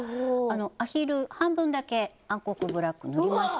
アヒル半分だけ暗黒ブラック塗りました